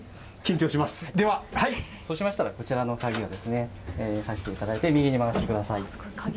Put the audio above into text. そうしましたら鍵を差していただいて右に回してください。